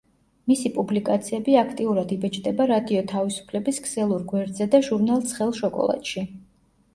მისი პუბლიკაციები აქტიურად იბეჭდება რადიო თავისუფლების ქსელურ გვერდზე და ჟურნალ „ცხელ შოკოლადში“.